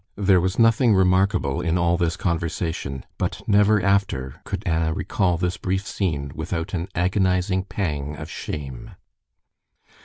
There was nothing remarkable in all this conversation, but never after could Anna recall this brief scene without an agonizing pang of shame.